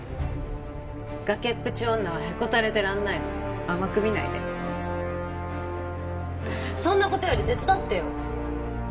崖っぷち女はへこたれてらんないの甘く見ないでそんなことより手伝ってよ